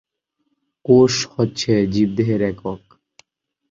কোষ হচ্ছে জীবদেহের একক।